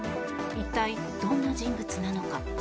一体、どんな人物なのか。